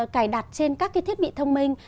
cài đặt trên các cái thiết bị thông minh